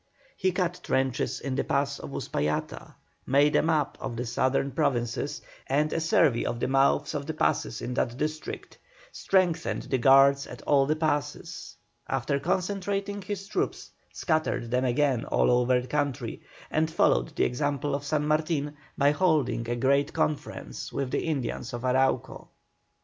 He cut trenches in the pass of Uspallata; made a map of the southern provinces, and a survey of the mouths of the passes in that district; strengthened the guards at all the passes; after concentrating his troops, scattered them again all over the country; and followed the example of San Martin by holding a great conference with the Indians of Arauco.